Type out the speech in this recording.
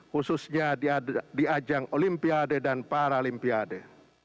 khususnya di ajang olimpiade dan paralimpiade